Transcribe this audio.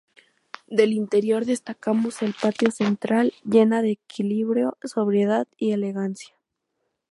Del interior destacamos el patio central, lleno de equilibrio, sobriedad y elegancia.